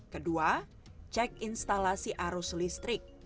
kedua cek instalasi arus listrik